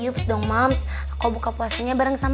yups dong mams aku buka puasanya bareng sama mams